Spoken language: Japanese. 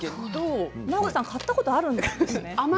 奈穂子さん、買ったことがあるんですね。